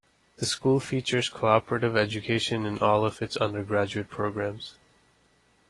The school features cooperative education in all of its undergraduate programs.